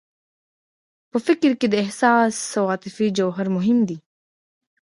په فکر کې د احساس او عاطفې جوهر مهم دی.